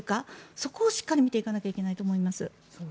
そこをしっかり見ていかなきゃいけないと思います。